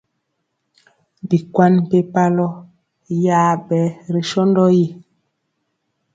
Bikwan mpempalɔ yaɓɛ ri sɔndɔ yi.